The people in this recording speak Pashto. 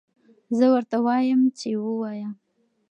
زه ورته وایم چې ووایه.